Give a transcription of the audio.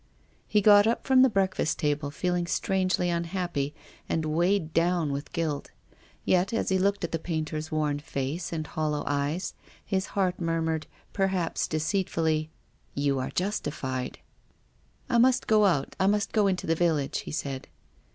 He got up from the breakfast table, feeling strangely unhappy and weighed down with guilt. Yet, as he looked at the painter's worn face and hollow eyes, his heart murmured, perhaps deceit fully, " You are justified." " I must go out. I must go into the village," he said.